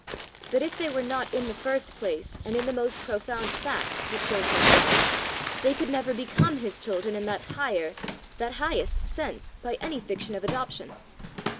But if they were not in the first place, and in the most profound fact, the children of God, they could never become his children in that higher, that highest sense, by any fiction of adoption.